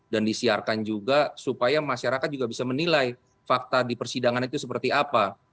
dan disiarkan juga supaya masyarakat juga bisa menilai fakta di persidangan itu seperti apa